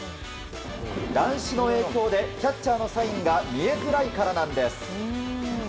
乱視の影響でキャッチャーのサインが見えづらいからだそうなんです。